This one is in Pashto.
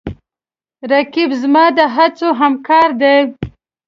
رقیب زما د هڅو همکار دی